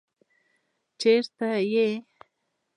چېرته يې؟